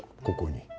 ここに。